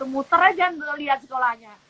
muter aja lihat sekolahnya